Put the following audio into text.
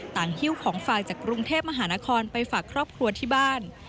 หิ้วของฝ่ายจากกรุงเทพมหานครไปฝากครอบครัวที่บ้าน